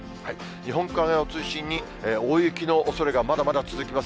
日本海側を中心に、大雪のおそれが、まだまだ続きます。